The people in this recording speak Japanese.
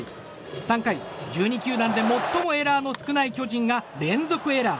３回、１２球団で最もエラーの少ない巨人が連続エラー。